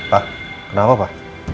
pa kenapa pa